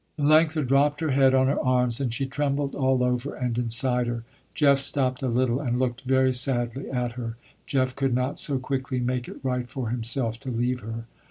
Melanctha dropped her head on her arms, and she trembled all over and inside her. Jeff stopped a little and looked very sadly at her. Jeff could not so quickly make it right for himself, to leave her.